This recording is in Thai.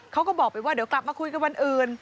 เขาก็บอกไปว่าเดี๋ยวกลับมาคุยกันวันอื่น